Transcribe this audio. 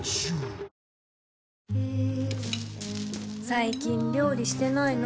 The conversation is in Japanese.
最近料理してないの？